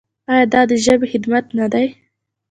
آیا دا د ژبې خدمت نه دی؟